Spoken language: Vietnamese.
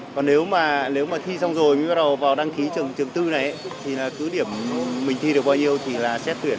còn nếu mà thi xong rồi mới bắt đầu vào đăng ký trường bốn này thì cứ điểm mình thi được bao nhiêu thì là xét tuyển